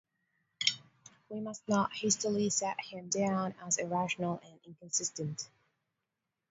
We must not hastily set him down as irrational and inconsistent.